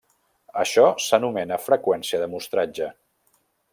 Això s’anomena freqüència de mostratge.